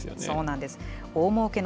そうなんです。